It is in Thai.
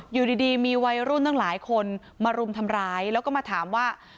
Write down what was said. อยู่ดีมีวัยรุ่นตั้งหลายคนมารุมทำร้ายแล้วก็มาถามว่า